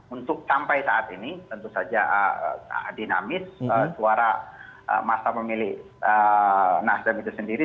untuk sampai saat ini tentu saja dinamis suara masa pemilih nasdem itu sendiri